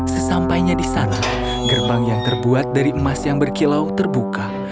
sesampainya di sana gerbang yang terbuat dari emas yang berkilau terbuka